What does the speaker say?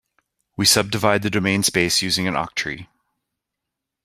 We subdivide the domain space using an octree.